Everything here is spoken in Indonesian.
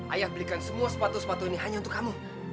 ayah belikan semua sepatu sepatu ini hanya untuk kamu